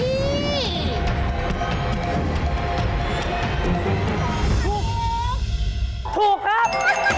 ถูกถูกครับ